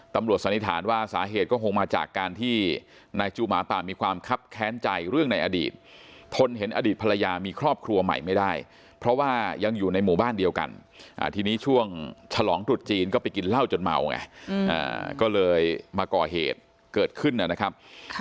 สันนิษฐานว่าสาเหตุก็คงมาจากการที่นายจูหมาป่ามีความคับแค้นใจเรื่องในอดีตทนเห็นอดีตภรรยามีครอบครัวใหม่ไม่ได้เพราะว่ายังอยู่ในหมู่บ้านเดียวกันทีนี้ช่วงฉลองตรุษจีนก็ไปกินเหล้าจนเมาไงก็เลยมาก่อเหตุเกิดขึ้นนะครับ